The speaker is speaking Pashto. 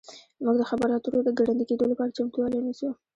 موږ د خبرو اترو د ګړندي کیدو لپاره چمتووالی نیسو